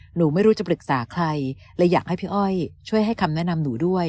หนูไม่รู้จะปรึกษาใครเลยอยากให้พี่อ้อยช่วยให้คำแนะนำหนูด้วย